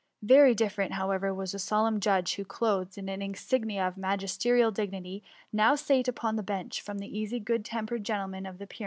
Very different, however, was the solemn judge who, clothed in all the insignia of magis terial dignity, now sate upon the bench, from the easy, good tempered gentleman of the Py!